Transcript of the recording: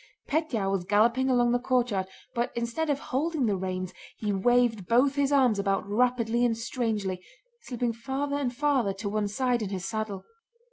Pétya was galloping along the courtyard, but instead of holding the reins he waved both his arms about rapidly and strangely, slipping farther and farther to one side in his saddle.